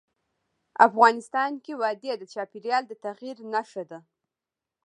افغانستان کې وادي د چاپېریال د تغیر نښه ده.